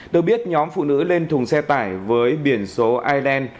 được biết nhóm phụ nữ lên thùng xe tải với biển số ireland